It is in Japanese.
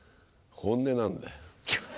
本音なんだよ。